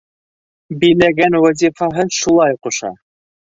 Биләгән вазифаһы шулай ҡуша.